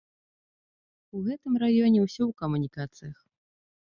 У гэтым раёне ўсё ў камунікацыях.